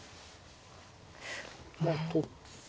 まあ取って。